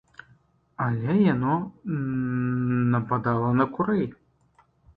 Але яно нападала на курэй.